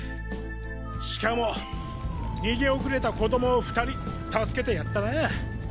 しかも逃げ遅れた子供を２人助けてやったなぁ。